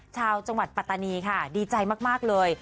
ชาวจังหวัดปัตตานีค่ะดีใจมากเลย